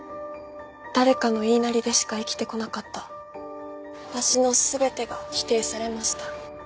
誰かの言いなりでしか生きてこなかった私の全てが否定されました。